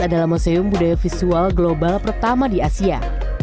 dan juga ada museum budaya visual global pertama di asia